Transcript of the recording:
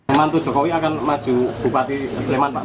membantu jokowi akan maju bupati sleman pak